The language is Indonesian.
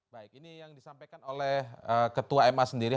baik ini yang disampaikan oleh ketua ma sendiri